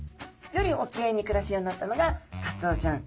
より沖合に暮らすようになったのがカツオちゃん。